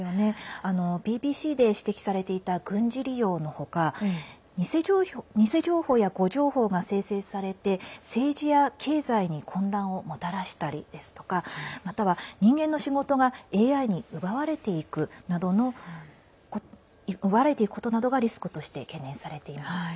ＢＢＣで指摘されていた軍事利用の他偽情報や誤情報が生成されて政治や経済に混乱をもたらしたりですとかまたは人間の仕事がＡＩに奪われていくことなどがリスクとして懸念されています。